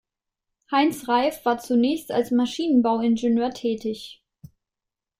Heinz Reif war zunächst als Maschinenbauingenieur tätig.